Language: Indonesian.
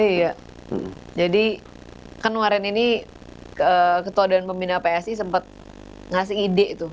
iya jadi kemarin ini ketua dan pembina psi sempat ngasih ide tuh